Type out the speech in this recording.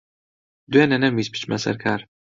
دوێنێ نەمویست بچمە سەر کار.